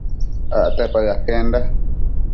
Acte paë aquenda